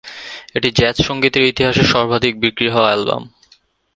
এটি জ্যাজ সঙ্গীতের ইতিহাসে সর্বাধিক বিক্রি হওয়া অ্যালবাম।